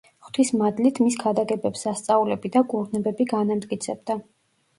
ღვთის მადლით მის ქადაგებებს სასწაულები და კურნებები განამტკიცებდა.